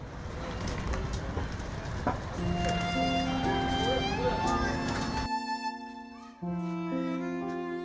dan berwarna merah untuk menambahkan kekuatan